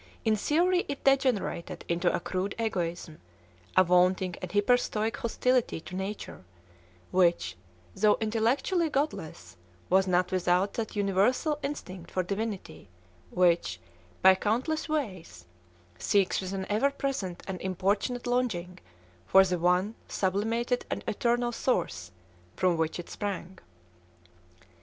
In theory it degenerated into a crude egoism, a vaunting and hyper stoic hostility to nature, which, though intellectually godless, was not without that universal instinct for divinity which, by countless ways, seeks with an ever present and importunate longing for the one sublimated and eternal source from which it sprang.